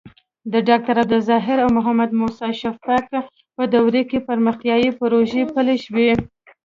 د ډاکټر عبدالظاهر او محمد موسي شفیق په دورو کې پرمختیايي پروژې پلې شوې.